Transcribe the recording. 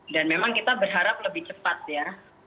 dan memang kita berharap lebih cepat ya